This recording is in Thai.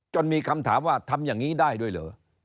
มีคำถามว่าทำอย่างนี้ได้ด้วยเหรอ